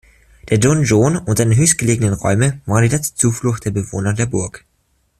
Der Donjon und seine höchstgelegenen Räume waren die letzte Zuflucht der Bewohner der Burg.